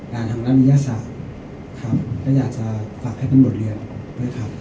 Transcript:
ทางด้านวิทยาศาสตร์ครับก็อยากจะฝากให้เป็นบทเรียนด้วยครับ